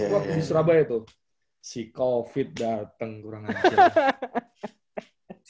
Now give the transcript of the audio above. waktu di surabaya tuh si covid dateng kurang aja